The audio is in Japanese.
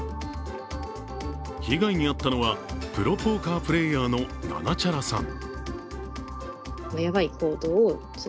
被害に遭ったのはプロポーカープレーヤーのななちゃらさん。